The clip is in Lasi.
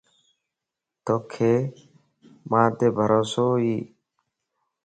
توک مانت بھروسو ائي؟